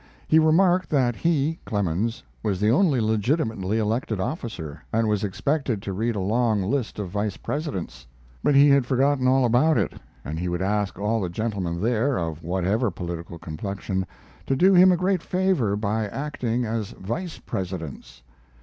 he remarked that he [Clemens] was the only legitimately elected officer, and was expected to read a long list of vice presidents; but he had forgotten all about it, and he would ask all the gentlemen there, of whatever political complexion, to do him a great favor by acting as vice presidents.